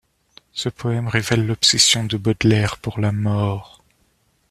Ce poème révèle l’obsession de Baudelaire pour la mort.